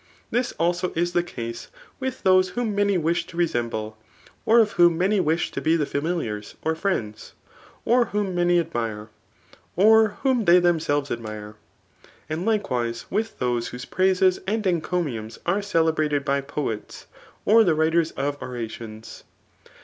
This also is the case with those whom many wish to re «mble, or of whom many wish to be the familiars or friends ; or whom many admire, or whom they them selves admire. And likewise with those whose praises 9ai, encomiums are celebrated by poets, or the writ^ of orations.